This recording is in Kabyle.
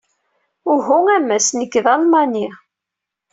Uhu a Mass, nekk d Almani.